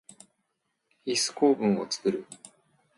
ヒス構文をつくる。